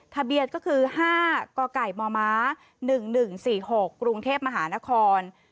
ทะเบียนก็คือ๕กกมม๑๑๔๖กรุงเทพมหานคร